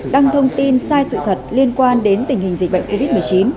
đăng thông tin sai sự thật liên quan đến tình hình dịch bệnh covid một mươi chín